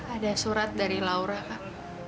ada surat dari laura pak